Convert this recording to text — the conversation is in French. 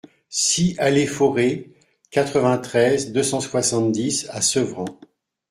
six allée Fauré, quatre-vingt-treize, deux cent soixante-dix à Sevran